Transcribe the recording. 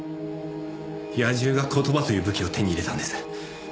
野獣が言葉という武器を手に入れたんです。